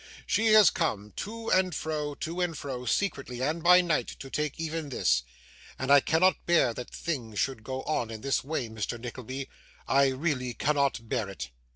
She has come to and fro, to and fro, secretly and by night, to take even this; and I cannot bear that things should go on in this way, Mr Nickleby, I really cannot bear it.